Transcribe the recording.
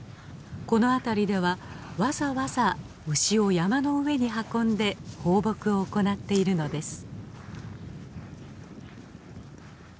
この辺りではわざわざ牛を山の上に運んで放牧を行っているのです。